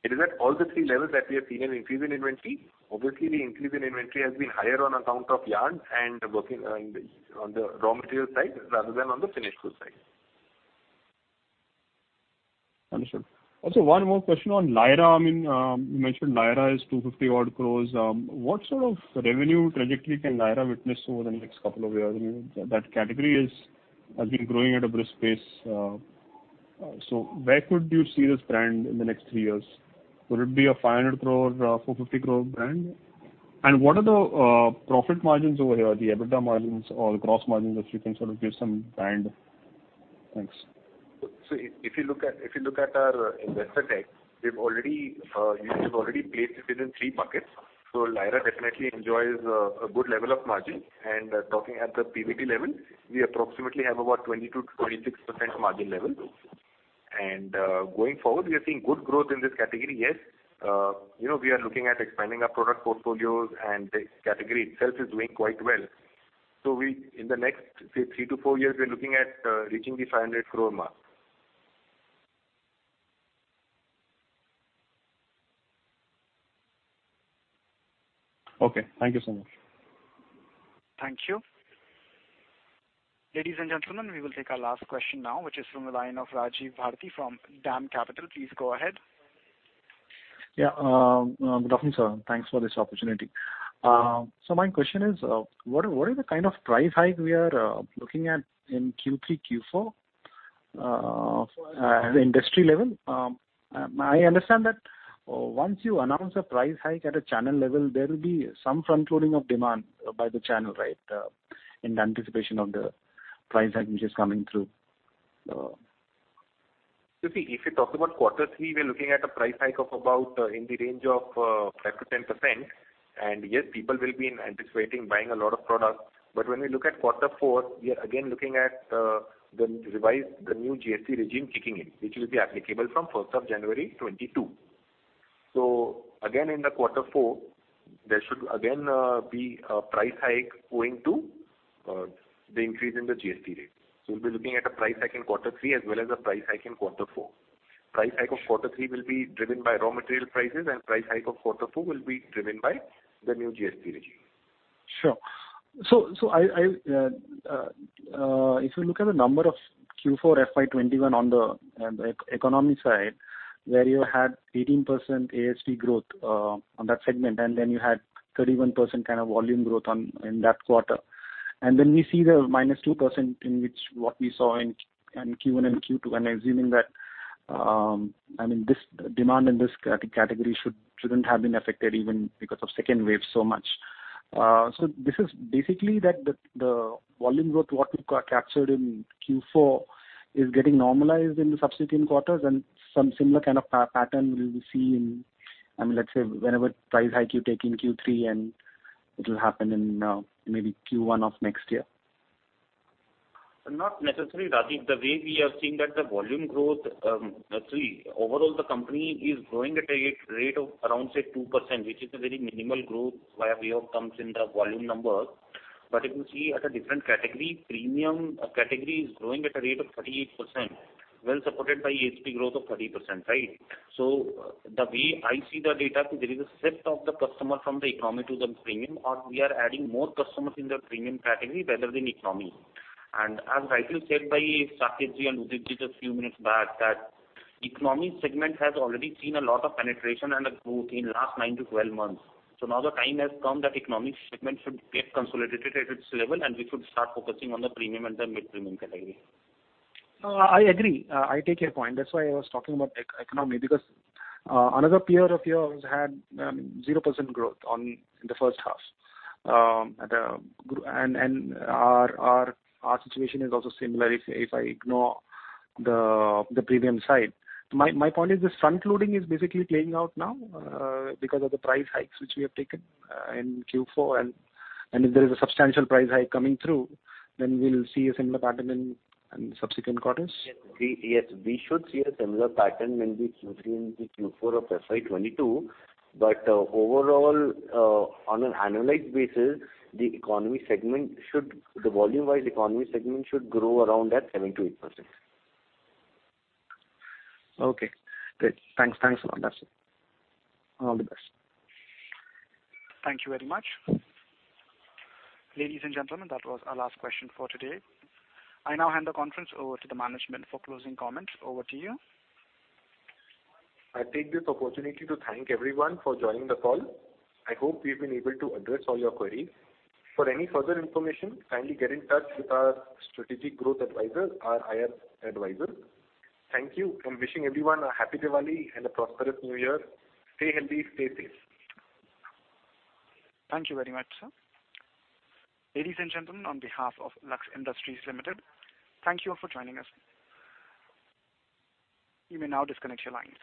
It is at all the three levels that we have seen an increase in inventory. Obviously, the increase in inventory has been higher on account of yarn and work in progress on the raw material side rather than on the finished goods side. Understood. Also, one more question on Lyra. I mean, you mentioned Lyra is 250 odd crore. What sort of revenue trajectory can Lyra witness over the next couple of years? I mean, that category has been growing at a brisk pace. So where could you see this brand in the next three years? Will it be a 500 crore or 450 crore brand? And what are the profit margins over here, the EBITDA margins or the gross margins, if you can sort of give some band. Thanks. If you look at our investor deck, we've already placed it in three buckets. Lyra definitely enjoys a good level of margin. Talking at the PBT level, we approximately have about 20%-26% margin level. Going forward, we are seeing good growth in this category. Yes, you know, we are looking at expanding our product portfolios and the category itself is doing quite well. In the next, say, three to four years, we're looking at reaching the 500 crore mark. Okay, thank you so much. Thank you. Ladies and gentlemen, we will take our last question now, which is from the line of Rajiv Bharati from DAM Capital Advisors. Please go ahead. Yeah. Good afternoon, sir. Thanks for this opportunity. My question is, what are the kind of price hike we are looking at in Q3, Q4, at industry level? I understand that once you announce a price hike at a channel level, there will be some frontloading of demand by the channel, right? In anticipation of the price hike which is coming through. You see, if you talk about quarter three, we're looking at a price hike of about in the range of 5%-10%. Yes, people will be in anticipation of buying a lot of products. When we look at quarter four, we are again looking at the new GST regime kicking in, which will be applicable from first of January 2022. Again, in quarter four, there should again be a price hike owing to the increase in the GST rate. We'll be looking at a price hike in quarter three as well as a price hike in quarter four. Price hike of quarter three will be driven by raw material prices and price hike of quarter four will be driven by the new GST regime. If you look at the numbers of Q4 FY 2021 on the economy side, where you had 18% ASP growth on that segment, and then you had 31% kind of volume growth in that quarter. We see the -2% which we saw in Q1 and Q2. I'm assuming that, I mean, this demand in this category shouldn't have been affected even because of second wave so much. This is basically that the volume growth, what you captured in Q4 is getting normalized in the subsequent quarters and some similar kind of pattern we'll see in, I mean, let's say whenever price hike you take in Q3 and it'll happen in maybe Q1 of next year. Not necessarily, Rajeev. The way we are seeing that the volume growth, see, overall the company is growing at a rate of around, say, 2%, which is a very minimal growth by way of comes in the volume numbers. But if you see at a different category, premium category is growing at a rate of 38%, well supported by ASP growth of 30%, right? The way I see the data, there is a shift of the customer from the economy to the premium, or we are adding more customers in the premium category rather than economy. As rightly said by Saket Todi and Udit ji just a few minutes back, that economy segment has already seen a lot of penetration and a growth in last 9-12 months. Now the time has come that economy segment should get consolidated at its level, and we should start focusing on the premium and the mid-premium category. No, I agree. I take your point. That's why I was talking about e-commerce because another peer of yours had 0% growth in the first half. Our situation is also similar if I ignore the premium side. My point is this frontloading is basically playing out now because of the price hikes which we have taken in Q4. If there is a substantial price hike coming through, then we'll see a similar pattern in subsequent quarters? Yes. We should see a similar pattern maybe Q3 into Q4 of FY 2022. Overall, on an annualized basis, the volume-wise economy segment should grow around at 7%-8%. Okay, great. Thanks. Thanks a lot. That's it. All the best. Thank you very much. Ladies and gentlemen, that was our last question for today. I now hand the conference over to the management for closing comments. Over to you. I take this opportunity to thank everyone for joining the call. I hope we've been able to address all your queries. For any further information, kindly get in touch with our Strategic Growth Advisors, our IR advisor. Thank you. I'm wishing everyone a happy Diwali and a prosperous New Year. Stay healthy, stay safe. Thank you very much, sir. Ladies and gentlemen, on behalf of Lux Industries Limited, thank you all for joining us. You may now disconnect your lines.